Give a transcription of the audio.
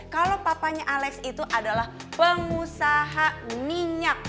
kalau papanya alex itu adalah pengusaha minyak